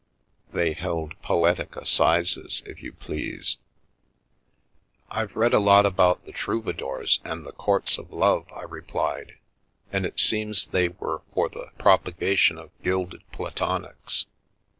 They held poetic assizes, if you please." — o Via Amoris " I've read a lot about the troubadours and the courts of love," I replied, " and it seems they were for the propagation of gilded platonics.